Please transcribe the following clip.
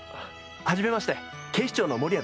初めまして警視庁の守屋です。